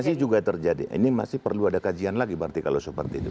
masih juga terjadi ini masih perlu ada kajian lagi berarti kalau seperti itu